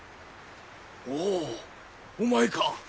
おおお前か。